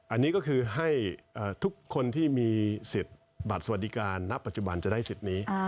อันนี้ก็คือให้ทุกคนที่มีสิทธิ์บัตรสวัสดิการณปัจจุบันจะได้สิทธิ์นี้